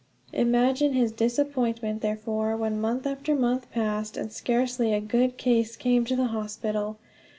Imagine his disappointment, therefore, when month after month passed and scarcely a good case came to the hospital.